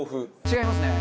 違いますね。